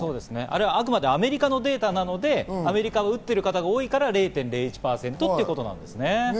あくまでもアメリカのデータなので、打ってる方が多いから０．０１％ということですね。